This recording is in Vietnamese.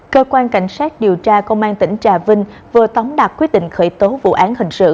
cơ quan cảnh sát điều tra công an tỉnh trà vinh vừa tống đạt quyết định khởi tố vụ án hình sự